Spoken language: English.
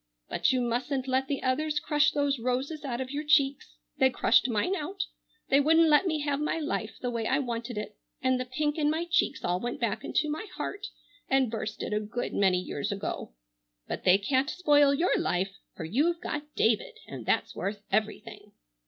But you mustn't let the others crush those roses out of your cheeks. They crushed mine out. They wouldn't let me have my life the way I wanted it, and the pink in my cheeks all went back into my heart and burst it a good many years ago. But they can't spoil your life, for you've got David and that's worth everything."